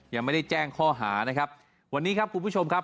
ยังไม่ได้แจ้งข้อหานะครับวันนี้ครับคุณผู้ชมครับ